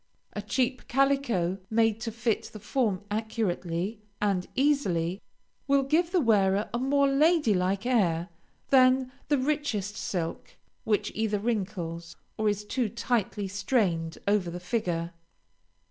A cheap calico made to fit the form accurately and easily, will give the wearer a more lady like air than the richest silk which either wrinkles or is too tightly strained over the figure.